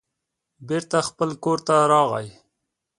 بېرته خپل کور ته راغی.